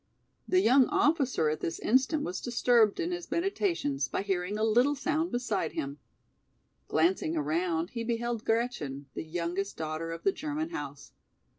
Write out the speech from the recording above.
The young officer at this instant was disturbed in his meditations by hearing a little sound beside him. Glancing around he beheld Gretchen, the youngest daughter of the German house.